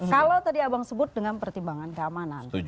kalau tadi abang sebut dengan pertimbangan keamanan